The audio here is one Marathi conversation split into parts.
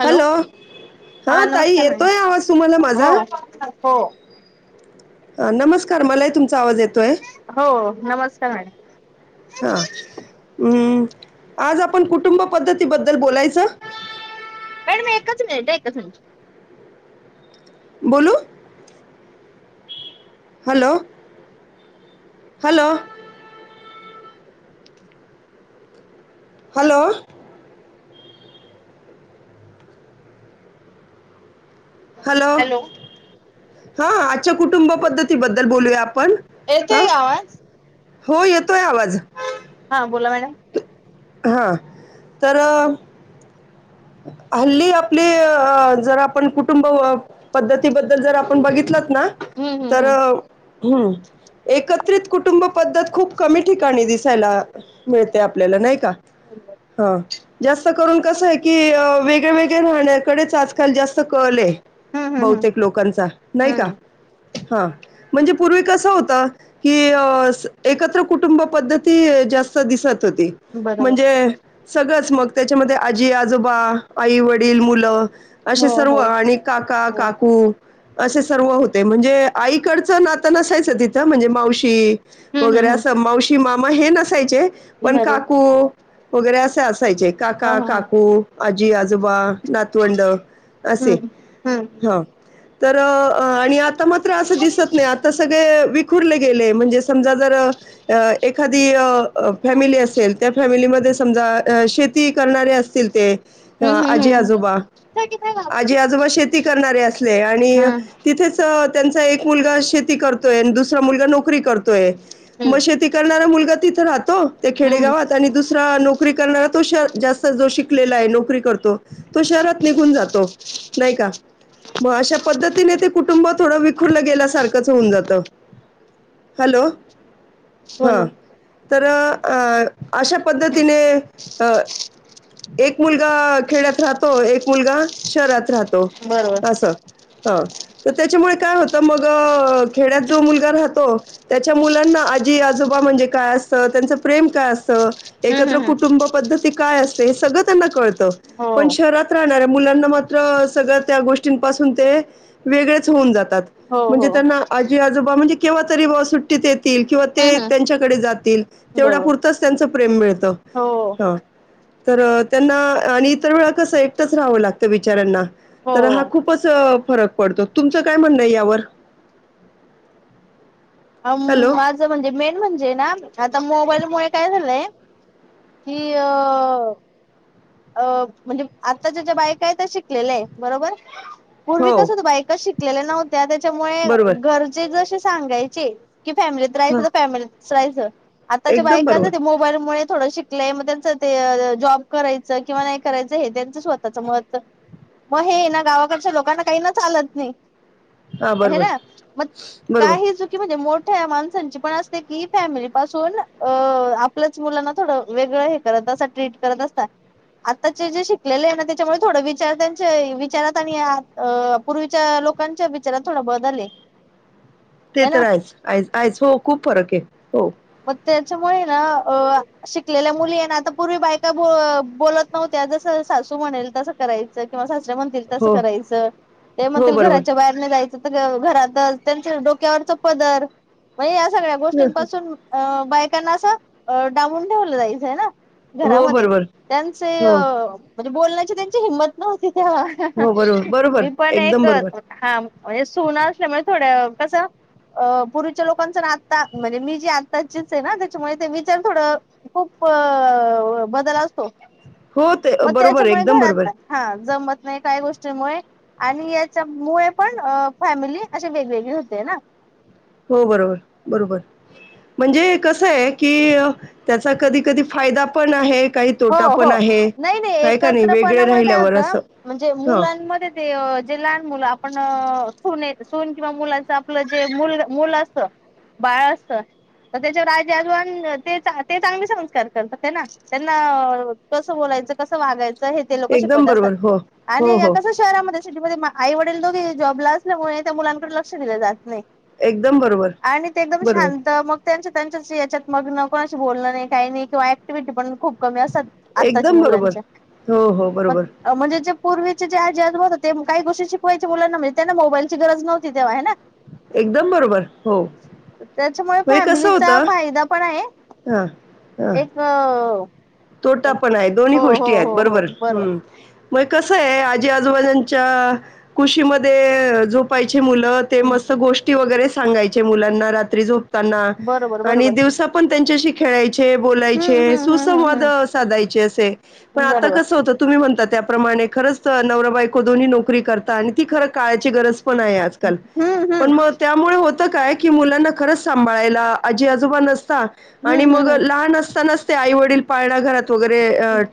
हॅलो! हा हां ताई नमस्कार ना येतोय आवाज तुम्हाला माझा हो हो. नमस्कार! मलाही तुमचा आवाज येतोय. हो नमस्कार! मॅडम. हम्म आज आपण कुटुंब पद्धतीबद्दल बोलायचं? मॅडम एकच मिनिट आहे एकच मिनिट. बोलू? हॅलो! हॅलो! हॅलो! हॅलो! हा आजच्या कुटुंब पद्धतीबद्दल बोलूया आपण ह येतोय का आवाज हो येतोय! आवाज. हां बोला मॅडम. हा तर. हल्ली आपली अ जर आपण कुटुंब पद्धतीबद्दल जर आपण बघितलंत ना हम्म तर हम्म हम्म. एकत्रित कुटुंब पद्धत खूप कमी ठिकाणी दिसायला मिळते आपल्याला नाही का? हो जास्त करून कस आहे की की वेगळ्या वेगळ्या राहण्याकडेच आजकाल जास्त कल ये हम्म हम्म हम्म हम्म बहुतेक लोकांचा नाही का? हम्म हा म्हणजे पूर्वी कसं होत कि एकत्र कुटुंब पद्धती जास्त दिसत होती. बरोबर म्हणजे सगळंच मग. त्याच्यामध्ये आज जी आजोबा. आई वडील मुलं असे हो सर्व हो आणि काका हो काकू असे सर्व होते. म्हणजे आईकडचं नातं नसायचं तिथं. म्हणजे मावशी हम्म वगैरे हम्म असं मावशी मामा हे नसायचे. हम्म पण बरोबर काकू वगैरे असे असायचे. हा काका, हा हा काकू आजी आजोबा नातवंड असे, हम्म हम्म हा. तर आणि आता मात्र असं दिसत नाही. आता सगळे वी गेलेय. म्हणजे समजा जर एखादी फॅमिली असेल. त्या फॅमिलीमध्ये समजा शेती करणारे असतील ते. अ हम्म आजी हम्म आजोबा, आजी आजोबा शे ती करणारे असले. हम्म आणि हम्म तिथेच त्यांचा एक मुलगा शेती करतोय. अन दुस रा मुलगा नोकरी करतोय. हम्म मग शेती करणारा मुलगा तिथे राहतो ते हम्म खेडेगावात आणि दुसरा नोकरी करणारा तो शह जास्त जो शिक लेला य. नोकरी करतो. तो शहरात निघून जातो. नाही का? म अशा पद्धतीने ते कुटुंब थोडं विखुरलं गेल्यासारखंच होऊन जातं. हॅलो. हा बोलो तर अ अशा पद्धतीने एक मुलगा खेड्यात राहतो. एक मुलगा शहरात राहतो बरोबर असं. ह त त्याच्यामुळे काय होतं मग खेड्यात जो मुलगा राहतो त्याच्या मुलांना आजी आजोबा म्हणजे काय असतं. त्यांचं प्रेम काय असतं हम्म एकत्र हम्म हम्म कुटुंब पद्धती काय असते, हे सगळं त्यांना कळतं. हो पण शहरात राहणाऱ्या मुलांना मात्र सगळ्या त्या गोष्टींपासून ते वेगळेच होऊन जातात. हो म्हणजे हो त्यांना आजी आजोबा म्हणजे केव्हा तरी बा सुट्टीत येतील. किंवा हम्म ते हम्म त्यांच्याकडे जातील. तेवढ्या बरोबर पुुरतंच त्यांचं प्रेम मिळत. हो. तर त्यांना आणि इतर वेळा कसं एकटंच राहावं लागतं बिचारांना. तर हा हो खूप खूपच फरक पडतो. तुमचं काय म्हणणं यावर? अ हॅलो. माझं म्हणजे मेन म्हणजे ना, आता मोबाईल मुळे काय झालंय. कि अ अ म्हणजे आताच्या ज्या बायकायेत त्या शिकलेल्याय. बरोबर. हो, पूर्वी कस त बायका शिक शिकल्या नव्हत्या त्याच्यामुळे बरोबर. घरचे जशे सांगायचे., फॅमिलीत राहायच हां, त फॅमिली तच रायचं. आताच्या एकदम बायकांच बरोबर. ते मोबाईल मुळे थोडं शिकल्याय. मग त्यांच ते जॉब करायचं करायचं किंवा नाही करायचं हे त्यांचं स्वतःचं मतं म हेय ना गावाकडच्या लोकांना काही ना चालत नाही हां, बरोबर, हेना. मग बरोबर. काही चुक मोठ्या माणसाची पण असते की फॅमिली पासून अ आपल्याच मुलांना थोडं वेगळं करत असता. ट्रीट करत असता. आताचे जे शिकलेलेय ना. त्याच्यामुळे थोड विचार त्यांचे विचारात आणि अ पूर्वीच्या लोकांच्या विचारात थोडा बदले. ते तर आहेच. आहेच आहेत हो. खूप फरके हो. म त्याच्यामुळे ना अ शिकलेल्या मुलीये ना आता पूर्वी बायका बोलत नव्हत्या. जसं सासू म्हणेल तसं करायचं. किंवा सासरे म्हणतील तस हो, करायच. ते हो, म्हणतील बरोबर. घराच्या बा जायचं तर घरातच त्यांच डोक्यावरच पदर म्हणजे या सगळ्या हं, हं. गोष्टींपासून अ बायकांना असं डावून ठेवलं जायचं ना? हो, घरामध्ये बरोबर. त्यांचे अ हो, म्हणजे बोलण्याची त्यांची हिंमत नव्हती तेव्हा. हो, बरोबर, बरोबर. मी पण एक एकदम बरोबर. हा म्हणजे सुना असल्यामुळे म्हणजे थोड कसं अ पूर्वीच्या लोकांचं ना आता म्हणजे मी जी आत् ताचीच आहे ना त्याच्यामुळे ते विचार थोड खूप बदल असतो. हो, ते म बरोबर, त्याच्यामुळे एकदम बरोबर. घरात हा. जमत नाही काही गोष्टीमुळे. आणि याच्या मुळे पण अ फॅमिली अशी वेगवेगळी होते ना? हो बरोबर. बरोबर. म्हणजे कसं आहे की त्याचा कधी कधी फायदा पण आहे काही हो तोटा हो पण आहे. नाही नाही आहे का नाही? वेगळे एकत्रपणामुळे काय राहिल्यावर होतं असं. म्हणजे हं, मुलांमध्ये ते जे लहान मुलं आपण सून ये सून किंवा मुलाच आपलं जे मुलाच मुल असत. बाळ असत तर त्याच्यावर आजी - अजोबान् ते चा ते चांगले संस्कार करतात हे ना? न ऽ कसं बोलायचं कस वागायचं हे ते लोक एकदम शिकवत असतात. बरोबर. हो. हो, आणि या हो. कस शहरामध्ये शेटीमध्ये आई वडील दोघेही जॉबला असल्यामुळे त्या मुलांकडे लक्ष दिलं जात नाही. एकदम बरोबर. आणि ते एकदम बरोबर. शांत मग त्यांच्या - त्यांच्यात याच्यात मग्न कोणाशी बोलणं नाही काही नाही. किंवा ऍक्टिव्हटी पण खूप कमी असतात. आत्ताच्या एकदम बरोबर. मुलांच्या हो, हो. आपण बरोबर. म्हणजे जे पूर्वीचे जे आहे जेज हो ते काही गोष्टी शिकवायचे मुलांना म्हणजे त्यांना मोबाईलची गरज नव्हती तेव्हा हाय ना? एकदम बरोबर हो. त्याच्यामुळे म्हणजे कसं फॅमिलीचा होतं फायदा पण आहे हां, हां. एक अ तोटा पण आहे. दोन्ही गोष्टी आहेत बरोबर. हम्म. मग कसं आहे आजी आजोबाजांच्या कुशीमध्ये झोपायची मुल ते मस्त गोष्टी वगैरे सांगायचे मुलांना रात्री झोपताना बरोबर आणि बरोबर दिवसा पण त्यांच्याशी खेळायचे हम्म बोलायचे हम्म हम्म हम्म सुसंवाद हम्म साधायचे असे. पण आता बरोबर कस होत तुम्ही म्हणता त्याप्रमाणे खरंच नवरा -बायको दोन्ही नोकरी करता. आणि ती खरं काळाची गरज पण आहे. आजकाल. हम्म पण हम्म मग त्या त्यामुळे होत काय की मुलांना खरंच सांभाळायला आजी आजोबा नसता. आणि हम्म मग हम्म हम्म लहान असतानाच ते आई वडील पाळणा घरात - - वगैरे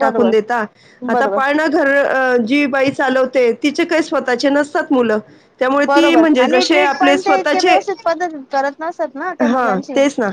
टाकून देता. आता बरोबर पाळणा घर जी बाई चालवते तिचे काही स्वतः ची नसतात मुलं. त्यामुळे ती बरोबर म्हणजे आणि जसे ट्रीट आपले - पण ते इतके स्वतःचे व्यवस्थित पद्धतीत करत नसत ना त्या हा मुलांची तेच ना?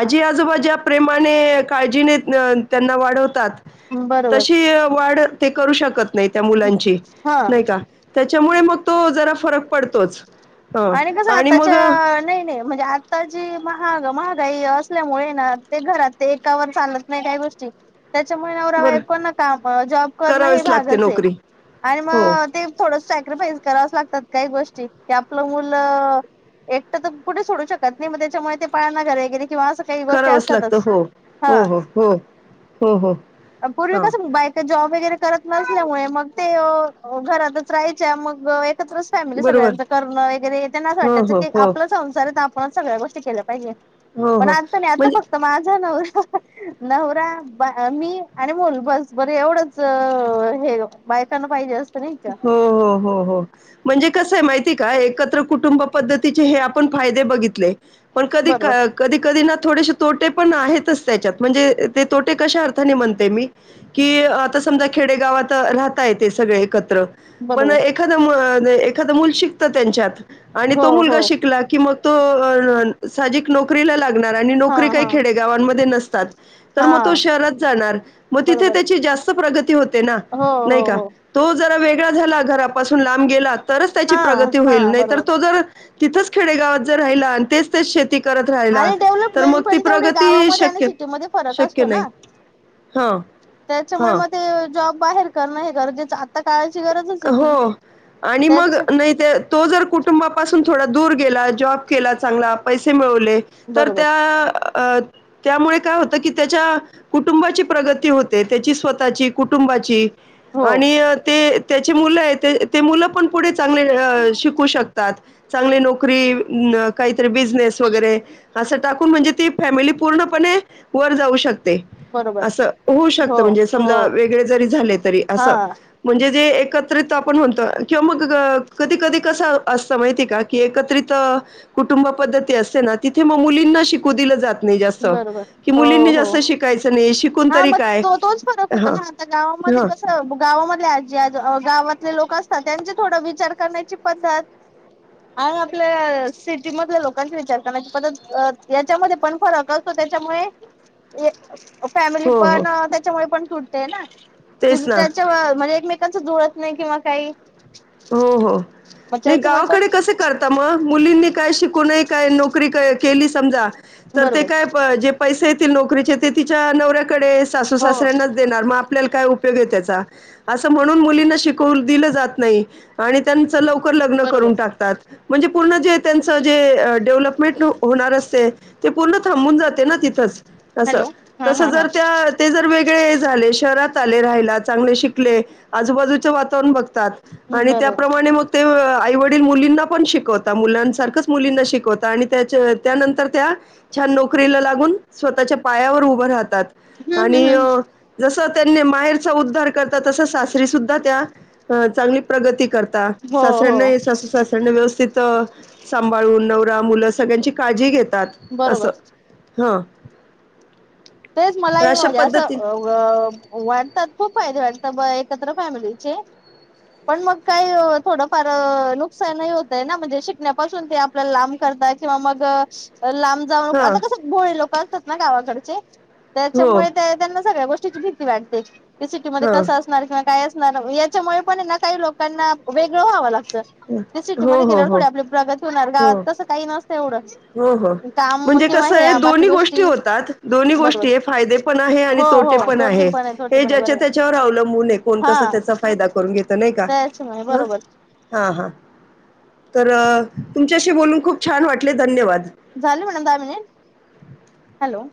आजी - आजोबा ज्या प्रेमाने काळजीने त्यांना वाढवतात बरोबर तशी वाढ ते करू शकत नाही त्या मुलांची. हा नाही का? त्याच्यामुळे मग तो जरा फरक पडतोच. हं आणि कसं मग आताच्या अ नाही -नाही म्हणजे आ ताची महाग महागाई असल्यामुळे ना ते घरात ते एकावर चालत नाही काय गोष्टी. त्याच्यामुळे नवरा - बर बायकोंना काम जॉब करणं हे करावीच लागते भागच आहे. नोकरी आणि हो मग ते - - थोड सॅक्रिफाईस करावच लागता. काही गोष्टी त्या - - आपलं मुलं एकट तर कुठे सोडू शकत नाही. मग त्याच्यामुळे ते पाळणार घर वगैरे किंवा असं काही गोष्टी करावंच लागतं असतातच. हो हो हा हो हो हो हो पूर्वी हां कस मोबाईल ते जॉब वगैरे करत नसल्यामुळे मग ते घरातच राहायच्या मग एकत्रच फॅमिली बरोबर सगळ्यांचं करणं वगैरे त्यांना असं हो वाटायचं हो की हो आपला संसार तर आपणच सगळ्या गोष्टी केल्या पाहिजे. हो पण हो आता नाही. आता म्हणजे फक्त माझा नवरा नवरा, मी आणि मूल बस बरं, एवढंच हे बायकांना पाहिजे असतं. नाही का? हो हो हो हो म्हणजे कसं आहे माहिती का? एकत्र कुटुंब पद्धतीचे हे आपण फायदे बघितले. पण कधी बरोबर कधी कधी ना, थोडेसे तोटे पण आहेतच त्याच्यात म्हणजे तोटे कश्या अर्थाने म्हणते मी की, आता समजा खेडेगावात राहताय ते सगळे ऐकत त्र पण बरोबर एखादं एखादं मूल शिकतं त्यांच्यात. आणि हो तो हो मुलगा शिकला कि, मग तो साहजिक नोकरीला लागणार आणि हा नोकरी काही हा खेडेगावांमध्ये नसतात. तर हा म तो शहरात जाणार, म तिथे बरोबर त्याची जास्त प्रगती होते ना, हो हो नाही का? हो तो जरा वेगळा झाला, घरापासून लांब गेला तरच त्याची हा प्रगती हा होईल. नाही तर बरोबर तो जर तिथंच खेडेगावात जर राहिला, आणि तेच तेच शेती करत राहिला, आणि तर डेव्हलपमेंट मग ती पण तेवढी प्रगती गावामध्ये आणि शक्य सिटीमध्ये फरक शक्य असतो नाही. ना हां त्याच्यामुळे हां म ते जॉब बाहेर करणं हे गरजेचं आता काळाची गरजच आहे ती, हो आणि मग त्याच्या नाही ते तो जर कुटुंबापासून थोडा दूर गेला, जॉब केला चांगला, पैसे मिळवले तर बरोबर त्या अं त्यामुळे काय होतं की, त्याच्या कुटुंबाची प्रगती होते, त्याची स्वतःची, कुटुंबाची हो आणि त्याचे मुलं आहे, ते मुलं पण पुढे चांगले शिकू शकतात. चांगली नोकरी, काहीतरी बिझनेस वगैरे. असं टाकून म्हणजे ती फॅमिली पूर्णपणे वर जाऊ शकते. बरोबर असं, होऊ हो शकतं म्हणजे हो समजा वेगळे जरी झाले तरी, हा असं म्हणजे जे एकत्रित आपण म्हणतो किंवा मग कधी कधी कसं असतं माहिती आहे का? की एकत्रित अं कुटुंब पद्धती असते ना, तिथे मग मुलींना शिकू दिलं जात नाही जास्त, बरोबर की हो मुलींनी हो जास्त शिकायचं नाही शिकून हा तरी मग काय? तो तोच फरक होतो हं ना आता गावामध्ये हं गावामधले आजी आ गावातले लोक असतात, त्यांचे थोडं विचार करण्याची पद्धत आणि आपल्या सिटी मधल्या लोकांचे विचार करण्याची पद्धत याच्यामध्ये पण फरक असतो त्याच्यामुळे हे फॅमिली हो, हो. पण त्याच्यामुळे पण तुटते ना? तेच ना. त्याच्यावर म्हणजे एकमेकांच जुळत नाही किंवा काही. हो, हो मग नाही त्याच्यामुळे पण गावाकडे कसं करता मग, मुलींनी काय शिकूू नये, काय नोकरी केली समजा तर ते बरोबर काय जे पैसे येतील नोकरीचे, ते तिच्या नवऱ्याकडेच सासू हो सासऱ्यांनाच देणार मग आप आपल्याला काय उपयोग आहे त्याचा, असं म्हणून मुलींना शिकवु दिलं जात नाही. आणि त्यांचं लवकर लग्न बरोबर करून टाकतात. म्हणजे पूर्ण जे, त्यांचं जे डेव्हलपमेंट होणार असते. ते पूर्ण थांबून जाते ना तिथंच, असं हॅलो हा तसं हा हा जर त्या ते जर वेगळे झाले, शहरात आले राहायला, चांगले शिकले. आजूबाजूच वातावरण बघतात. आणि बरोबर त्याप्रमाणे मग ते आईवडील मुलींना पण शिकवता, मुलांसारखंच मुलींना शिकवता आणि त्या त्यानंतर त्या छान नोकरीला लागून, स्वतःच्या पायावर उभं राहतात. हम्म हम्म आणि हम्म जसं त्यांनी माहेरचा उद्धार करतात, तस सासरी सुद्धा त्या चांगली प्रगती करता हो हो सासऱ्यांना ही सासूसास त्यांना व्यवस्थित सांभाळून, नवरा, मुलं सगळ्यांची काळजी घेतात बरोबर असं. हं. तेच मलाही म्हजे असं व वाटतात, खूप फायदे वाटतात. ब एकत्र फॅमिलीचे. पण मग काही थोडंफार नुकसानही होतंय ना, म्हणजे शिकण्यापासून ते आपल्याला लांब करताय किंवा मग लांब जावू नको. हा आता कसं भोळे लोकं असतात ना गावाकडचे, हो त्याच्यामुळे त्यांना सगळ्या गोष्ट ष्टीची भीती वाटते, की सिटीमध्ये हा कसं अस णार किंवा काय असणार याच्यामुळे पण आहे ना, काही लोकांना वेगळं व्हावं लागतं. ते हो सिटीमध्ये हो गेल्यावर हो थोडी आपली प्रगती होणार, हो गावात तसं काही नसतं एवढं. हो.. हो, काम म्हणजे किंवा कसं हे आहे बाकी दोन्ही गोष्टी होतात दोन्ही बरोबर गोष्टी आहे. फायदे पण आहे आणि हो तोटे हो पण तोटी आहे, तोटी हे पण आहे ज्याच्या बरोबर त्याच्यावर अवलंबून आहे. कोण, कसा हा त्याचा फायदा करून घेतं नाही का? त्याच आ? बरोबर हां हां, तर तुमच्याशी बोलून खूप छान वाटले. धन्यवाद. झाले मॅडम दहा मिनिट? हॅलो.